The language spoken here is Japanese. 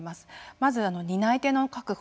まず担い手の確保。